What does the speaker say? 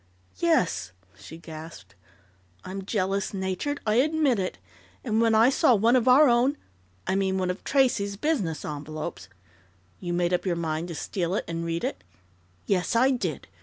"Yes!" She gasped. "I'm jealous natured. I admit it, and when I saw one of our own I mean, one of Tracey's business envelopes " "You made up your mind to steal it and read it?" "Yes, I did!